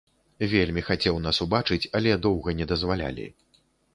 Вельмі хацеў нас убачыць, але доўга не дазвалялі.